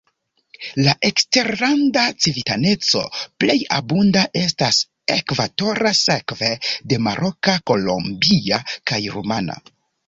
La eksterlanda civitaneco plej abunda estas ekvatora, sekve de maroka, kolombia kaj rumana.